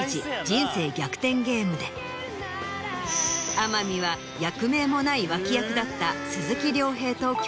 天海は役名もない脇役だった。